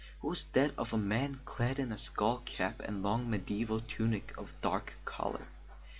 It was that of a man clad in a skull cap and long mediaeval tunic of dark colour.